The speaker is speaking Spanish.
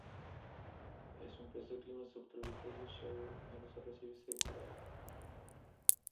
Es un pez de clima subtropical y asociado a los arrecifes de coral.